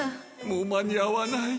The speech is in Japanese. もう間に合わない。